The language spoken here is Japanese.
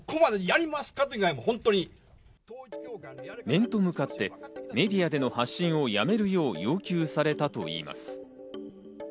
面と向かってメディアでの発信をやめるよう要求されたといいます。